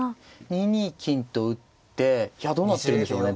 ２二金と打ってどうなってるんでしょうね。